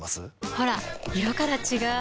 ほら色から違う！